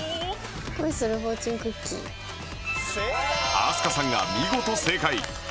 飛鳥さんが見事正解